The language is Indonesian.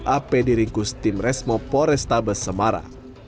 ap diringkus tim resmo poresta besemara